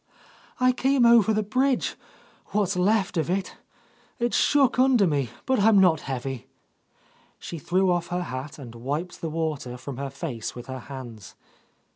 "I came over the bridge, what's left of it. It shook under me, but I'm not heavy." She threw off her hat and wiped the water from her face with her hands.